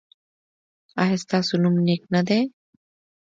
ایا ستاسو نوم نیک نه دی؟